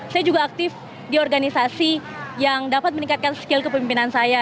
saya juga aktif di organisasi yang dapat meningkatkan skill kepemimpinan saya